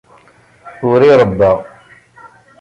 Ur iṛebba.